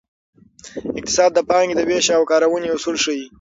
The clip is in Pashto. اقتصاد د پانګې د ویش او کارونې اصول ښيي.